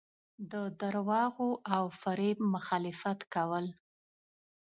د درواغو او فریب مخالفت کول.